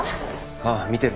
ああ見てる。